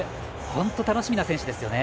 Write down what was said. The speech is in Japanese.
本当に楽しみな選手ですね。